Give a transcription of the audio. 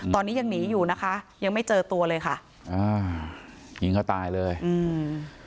ตอนนี้ยังหนีอยู่นะคะยังไม่เจอตัวเลยค่ะอ่ายิงเขาตายเลยอืม